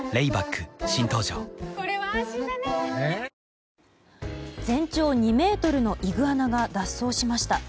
ニトリ全長２ｍのイグアナが脱走しました。